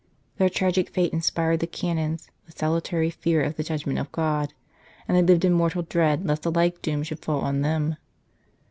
Their tragic fate inspired the Canons with salutary fear of the judgment of God, and they lived in mortal dread lest a like doom should fall on them.